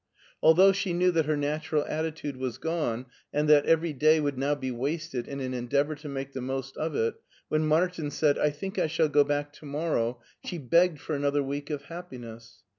Although she knew that her natural attitude was gone, and that every day would now be wasted in an endeavor to make the most of it, when Martin said, " I think I shall go back to morrow," she begged for another week of happiness.